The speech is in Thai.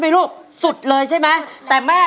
โปรดติดตามต่อไป